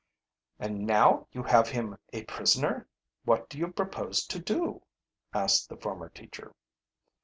"And now you have him a prisoner, what do you propose to do?" asked the former teacher.